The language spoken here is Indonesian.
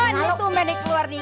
nah ini tuh mbak yang keluar nih